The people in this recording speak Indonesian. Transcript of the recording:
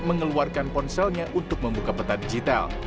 mengeluarkan ponselnya untuk membuka peta digital